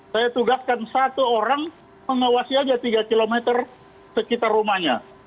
saya tugaskan satu orang mengawasi aja tiga km sekitar rumahnya